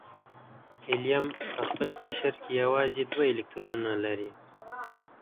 هیلیم په خپل قشر کې یوازې دوه الکترونونه لري.